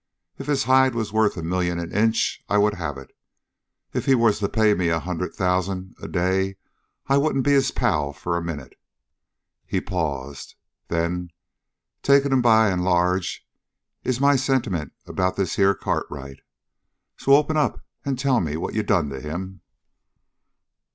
If his hide was worth a million an inch, I would have it. If he was to pay me a hundred thousand a day, I wouldn't be his pal for a minute." He paused. "Them, taking 'em by and large, is my sentiments about this here Cartwright. So open up and tell me what you done to him."